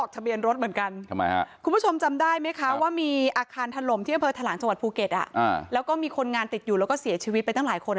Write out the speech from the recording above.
เทพธรรมแล้วเขาเจอเรื่องแปลก